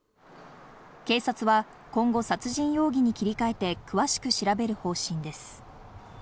警察は今後、殺人容疑に切り替えて、詳しく調べる方針です。